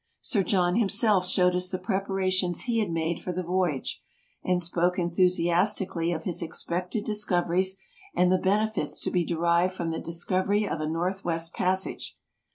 Sir John himself showed us the preparations he had made for the voyage, and spoke enthusiastically of his expected discoveries and the benefits to be derived from the discovery of a northwest passage.